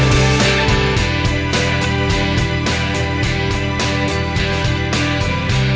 tetapi yang dilakukan dalam kondisinya dagang